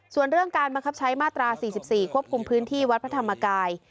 ส่วนเรื่องการบังคับใช้มาตรา๔๔ควบคุมพื้นที่วัดพระธรรมกาย